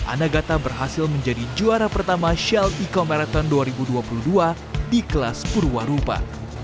anagata berhasil menjadi juara pertama shell eco marathon dua ribu dua puluh dua di kelas purwarupa